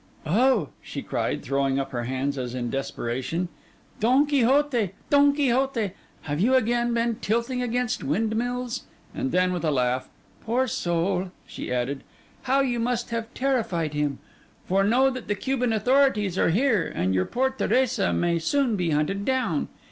'Oh!' she cried, throwing up her hands as in desperation, 'Don Quixote, Don Quixote, have you again been tilting against windmills?' And then, with a laugh, 'Poor soul!' she added, 'how you must have terrified him! For know that the Cuban authorities are here, and your poor Teresa may soon be hunted down.